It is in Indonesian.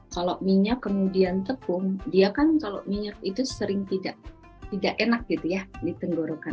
kalau minyak kemudian tepung dia kan kalau minyak itu sering tidak enak gitu ya di tenggorokan